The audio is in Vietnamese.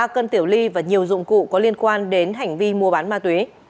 ba cân tiểu ly và nhiều dụng cụ có liên quan đến hành vi mua bán ma túy